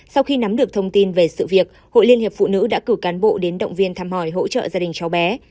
sau khi nắm được thông tin về sự việc hội liên hiệp phụ nữ đã cử cán bộ đến động viên thăm hỏi hỗ trợ gia đình cháu bé